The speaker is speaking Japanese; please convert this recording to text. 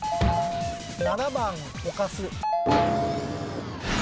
７番ほかす。